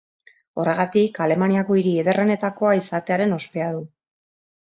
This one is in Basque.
Horregatik, Alemaniako hiri ederrenetakoa izatearen ospea du.